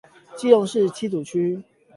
基隆市七堵區